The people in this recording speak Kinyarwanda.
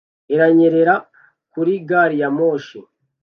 iranyerera kuri gari ya moshi